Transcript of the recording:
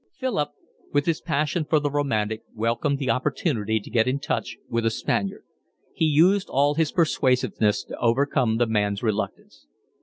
Philip, with his passion for the romantic, welcomed the opportunity to get in touch with a Spaniard; he used all his persuasiveness to overcome the man's reluctance.